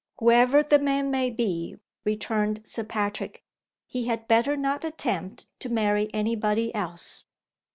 "Whoever the man may be," returned Sir Patrick, "he had better not attempt to marry any body else."